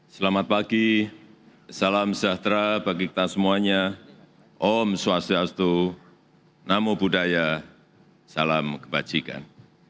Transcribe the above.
selamat pagi salam sejahtera bagi kita semuanya om swastiastu namo buddhaya salam kebajikan